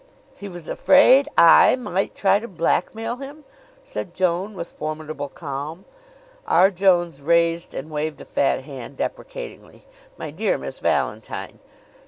"He was afraid I might try to blackmail him?" said Joan, with formidable calm. R. Jones raised and waved a fat hand deprecatingly. "My dear Miss Valentine!"